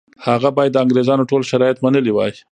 هغه باید د انګریزانو ټول شرایط منلي وای.